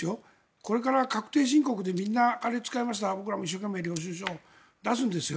これから確定申告でみんな僕らも一生懸命領収証を出すんですよ。